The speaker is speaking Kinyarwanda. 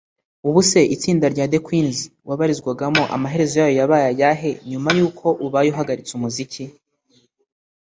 ubuse itsinda rya The Queens wabarizwagamo amaherezo yayo yabaye ayahe nyuma y’uko ubaye uhagaritse umuziki